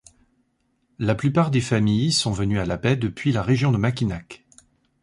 La plupart des familles sont venues à La Baye depuis la région de Mackinac.